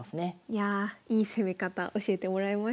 いやあいい攻め方教えてもらいました。